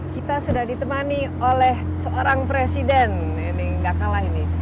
kita sudah ditemani oleh seorang presiden ini gak kalah ini